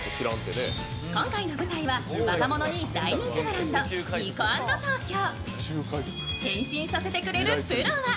今回の舞台は若者に大人気ブランド、ｎｉｃｏａｎｄＴＯＫＹＯ。